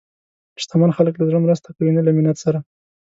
شتمن خلک له زړه مرسته کوي، نه له منت سره.